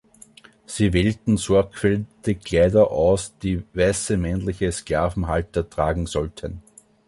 Sie wählten sorgfältig Kleider aus, die weiße männliche Sklavenhalter tragen sollten.